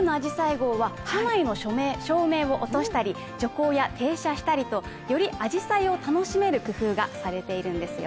号は車内の照明を落としたり徐行や停車したりと、よりあじさいを味わえる楽しめる工夫がされているんですよ。